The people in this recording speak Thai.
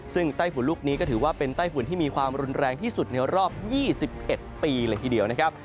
ซึ่งไต้ฝุ่นลูกนี้ก็ถือว่าเป็นไต้ฝุ่นที่มีความรุนแรงที่สุดในรอบ๒๑ปีเลยทีเดียวนะครับ